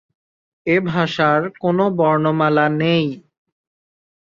এ ভাষার কোন বর্ণমালা নেই।